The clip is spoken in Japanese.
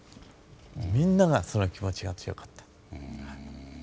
みんながその気持ちが強かった。